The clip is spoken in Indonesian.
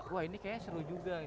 wah ini kayaknya seru juga